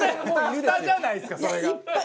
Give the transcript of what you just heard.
フタじゃないですかそれが。